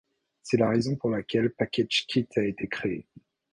C'est la raison pour laquelle PackageKit a été créé.